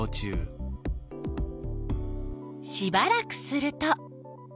しばらくすると。